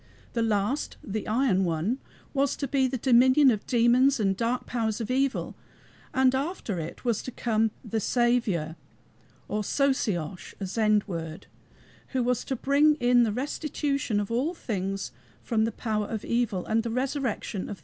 The last, the iron one, was to be the dominion of demons and dark powers of evil, and after it was to come the SAVIOUR, or SOSIOSCH (a Zend word), who was to bring in the restitution of all things from the power of evil, and the resurrection of the dead.